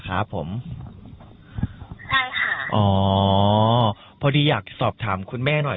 อยู่ที่บ้านเหมือนเดิม